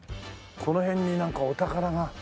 この辺になんかお宝がねえ。